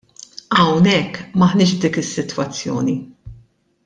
Hawnhekk m'aħniex f'dik is-sitwazzjoni.